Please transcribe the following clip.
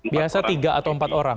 biasa tiga atau empat orang